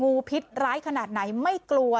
พิษร้ายขนาดไหนไม่กลัว